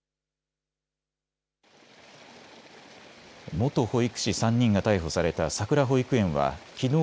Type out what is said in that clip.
元保育士３人が逮捕されたさくら保育園はきのう